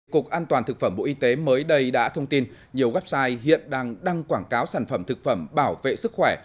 cục an toàn thực phẩm bộ y tế mới đây đã thông tin nhiều website hiện đang đăng quảng cáo sản phẩm thực phẩm bảo vệ sức khỏe